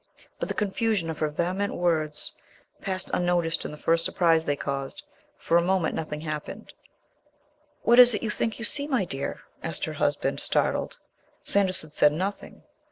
But the confusion of her vehement words passed unnoticed in the first surprise they caused. For a moment nothing happened. "What is it you think you see, my dear?" asked her husband, startled. Sanderson said nothing.